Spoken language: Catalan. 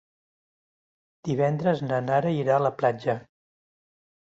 Divendres na Nara irà a la platja.